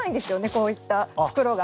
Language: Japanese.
こういった袋が。